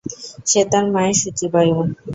সে তার মায়ের শুচিবায়ু।